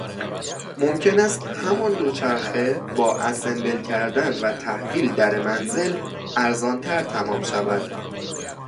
ممکن است همان دوچرخه با اسمبل کردن و تحویل در منزل، ارزانتر تمام شود